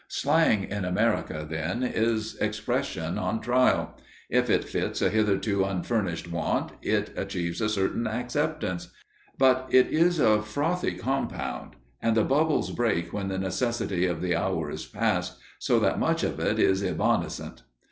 Slang in America, then, is expression on trial; if it fits a hitherto unfurnished want it achieves a certain acceptance. But it is a frothy compound, and the bubbles break when the necessity of the hour is past, so that much of it is evanescent.